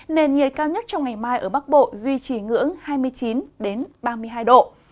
nền nhiệt cao nhất trong ngày mai ở bắc bộ duy trì ngưỡng hai mươi chín ba mươi hai độ